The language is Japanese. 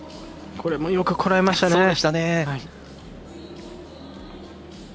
これもよくこらえましたね。